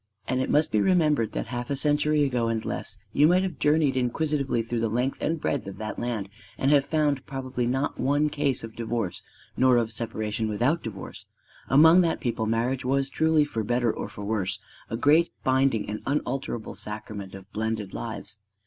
And it must be remembered that half a century ago and less you might have journeyed inquisitively through the length and breadth of that land and have found probably not one case of divorce nor of separation without divorce: among that people marriage was truly for better or for worse a great binding and unalterable sacrament of blended lives.